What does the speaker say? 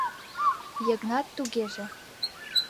— Йыгнат тугеже...